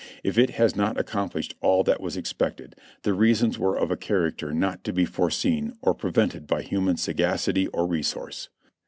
If it has not accomplished all that was expected, the reasons were of a character not to be foreseen or prevented by human sagacity or resource.